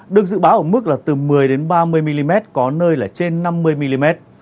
được dự báo ở mức là từ một mươi ba mươi mm có nơi là trên năm mươi mm